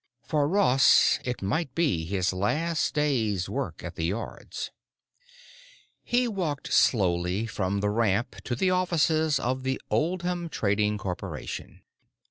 For Ross it might be his last day's work at the Yards. He walked slowly from the ramp to the offices of the Oldham Trading Corporation.